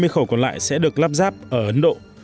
một trăm hai mươi khẩu còn lại sẽ được lắp ráp ở ấn độ